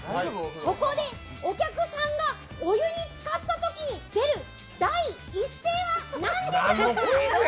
そこでお客さんがお湯につかったときに出る第一声はなんでしょうか。